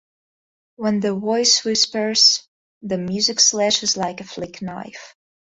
When the voice whispers, the music slashes like a flick-knife.